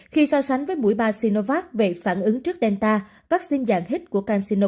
khi so sánh với mũi ba sinovac về phản ứng trước delta vaccine dạng hít của cansino